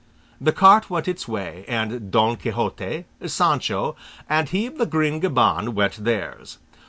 The cart went its way, and Don Quixote, Sancho, and he of the green gaban went theirs.